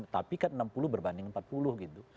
tapi kan enam puluh berbanding empat puluh gitu